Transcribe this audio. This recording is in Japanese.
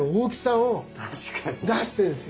出してるんですよ。